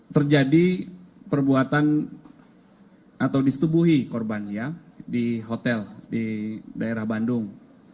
terjadi perbuatan atau disetubuhi korban di hotel di daerah bandung